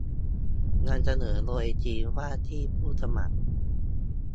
นำเสนอโดยทีมว่าที่ผู้สมัคร